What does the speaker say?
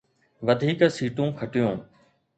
وڌيڪ سيٽون کٽيون